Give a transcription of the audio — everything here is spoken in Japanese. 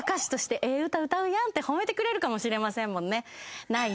って褒めてくれるかもしれませんもんね。